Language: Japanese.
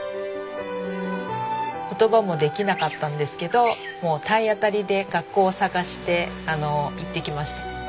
言葉もできなかったんですけどもう体当たりで学校を探して行ってきました。